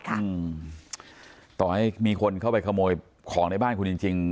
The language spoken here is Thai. อืมต่อให้มีคนเข้าไปขโมยของในบ้านคุณจริงจริง